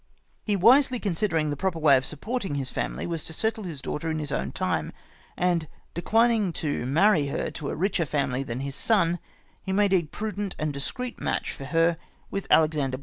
" He wisely considering the proper way of supporting his hnnily was to settle his daugliter in his own time, and de clining to marry her into a richer family than his son, he made a prudent and discreet match for her with Alexander ]?